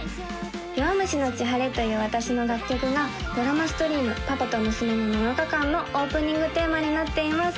「弱虫のち晴れ」という私の楽曲がドラマストリーム「パパとムスメの７日間」のオープニングテーマになっています